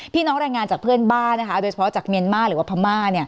พี่น้องรายงานจากเพื่อนบ้านนะคะโดยเฉพาะจากเมียนมาหรือว่าพม่า